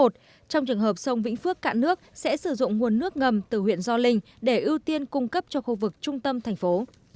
trong trường hợp sông vĩnh phước cạn nước sẽ sử dụng nguồn nước ngầm từ huyện gio linh để ưu tiên cung cấp cho khu vực trung tâm thành phố